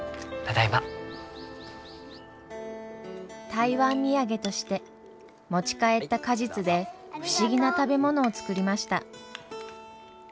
台湾土産として持ち帰った果実で不思議な食べ物を作りました。